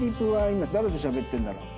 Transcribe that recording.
今誰としゃべってるんだろう？